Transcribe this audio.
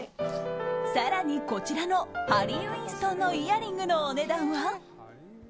更に、こちらのハリー・ウィンストンのイヤリングのお値段は。